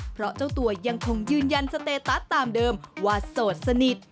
เพราะเจ้าตัวยังคงยืนยันสเตตัสตามเดิมว่าโสดสนิท